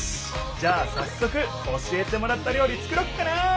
じゃあさっそく教えてもらった料理作ろっかな！